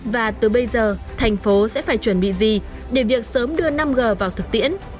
và từ bây giờ thành phố sẽ phải chuẩn bị gì để việc sớm đưa năm g vào thực tiễn